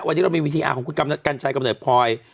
วันนี้เรามีวิธีอาร์ของคุณกัญชัยกำเนิดพลอย